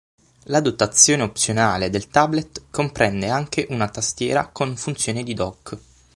La dotazione opzionale del tablet comprende anche una tastiera, con funzione di dock.